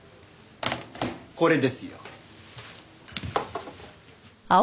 これですよ。